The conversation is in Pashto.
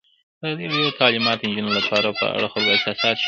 ازادي راډیو د تعلیمات د نجونو لپاره په اړه د خلکو احساسات شریک کړي.